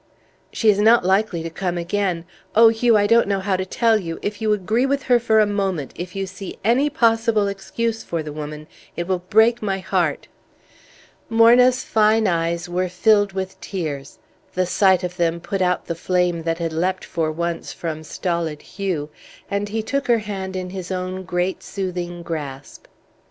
"She is not likely to come again. Oh, Hugh, I don't know how to tell you! If you agree with her for a moment, if you see any possible excuse for the woman, it will break my heart!" Morna's fine eyes were filled with tears; the sight of them put out the flame that had leapt for once from stolid Hugh, and he took her hand in his own great soothing grasp.